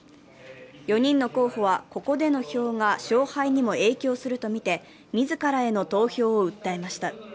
４人の候補は、ここでの票が勝敗にも影響するとみて、自らへの投票を訴えました。